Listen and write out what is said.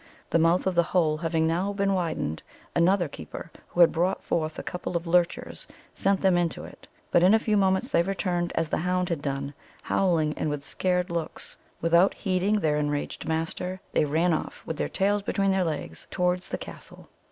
The mouth of the hole having now been widened, another keeper, who had brought forward a couple of lurchers, sent them into it; but in a few moments they returned, as the hound had done, howling and with scared looks. Without heeding their enraged master, they ran off, with their tails between their legs, towards the castle.